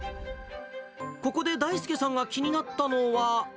ここでだいすけさんが気になったのは。